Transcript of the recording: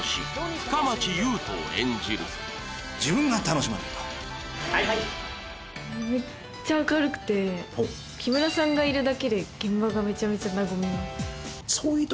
深町裕人を演じる自分が楽しまないとはい木村さんがいるだけで現場がめちゃめちゃ和みます